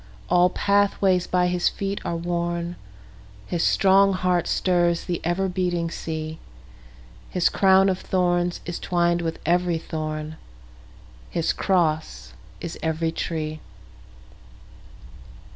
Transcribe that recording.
All pathways by his feet are worn, His strong heart stirs the ever beating sea, His crown of thorns is twined with every thorn, His cross is every tree.